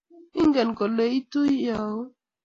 Ingen kole itu auyo?